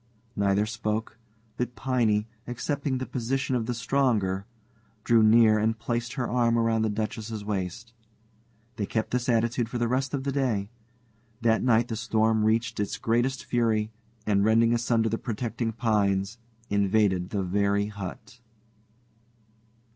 Neither spoke; but Piney, accepting the position of the stronger, drew near and placed her arm around the Duchess's waist. They kept this attitude for the rest of the day. That night the storm reached its greatest fury, and, rending asunder the protecting pines, invaded the very hut.